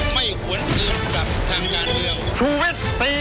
ไม่ควรเตรียมกับทางงานเดียว